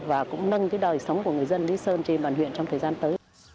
và cũng nâng cái đời sống của người dân lý sơn trên địa bàn huyện trong thời gian tới